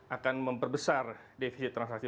akan memperbesar defisit transaksi